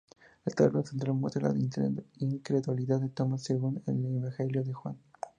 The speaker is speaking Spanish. El tablero central muestra la Incredulidad de Tomás según el Evangelio de Juan.